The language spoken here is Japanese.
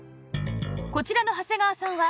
こちらの長谷川さんは